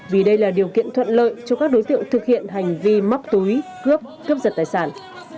vì đây là điều kiện thuận lợi cho các đối tượng thực hiện hành vi móc túi cướp cướp giật tài sản